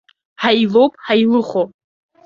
Ҳаилоуп ҳаилыхо.